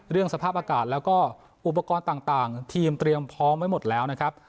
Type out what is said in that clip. สภาพอากาศแล้วก็อุปกรณ์ต่างทีมเตรียมพร้อมไว้หมดแล้วนะครับ